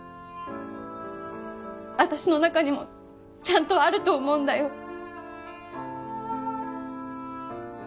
私の中にもちゃんとあると思うんだよ